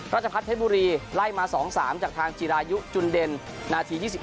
รัชพัฒน์เทศบุรีไล่มา๒๓จากทางจิรายุจุลเดนนาที๒๕